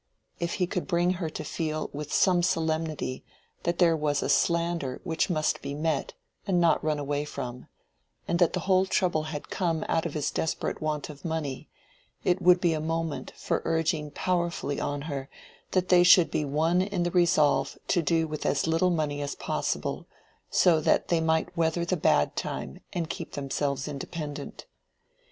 If he could bring her to feel with some solemnity that here was a slander which must be met and not run away from, and that the whole trouble had come out of his desperate want of money, it would be a moment for urging powerfully on her that they should be one in the resolve to do with as little money as possible, so that they might weather the bad time and keep themselves independent.